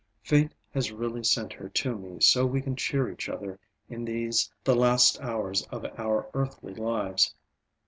Fate has really sent her to me so we can cheer each other in these, the last hours of our earthly lives.